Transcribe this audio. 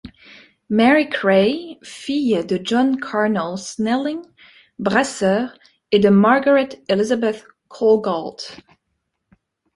Mary Cray, fille de John Carnell Snelling, brasseur et de Margaret Elizabeth Colgalt.